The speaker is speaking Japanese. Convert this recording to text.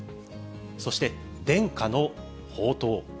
そして、伝家の宝刀。